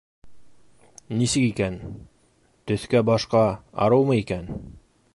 Нисек икән, төҫкә-башҡа арыумы икән?